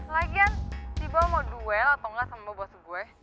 lagian si bo mau duel atau enggak sama bos gue